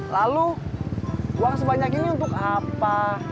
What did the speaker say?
lalu uang sebanyak ini untuk apa